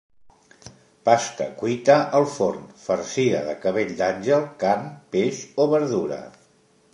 Pasta cuita al forn, farcida de cabell d'àngel, carn, peix o verdura.